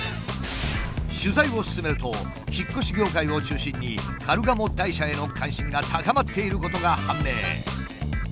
取材を進めると引っ越し業界を中心にカルガモ台車への関心が高まっていることが判明。